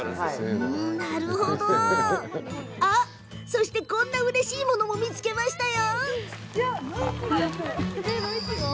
そして、こんなうれしいものも見つけました。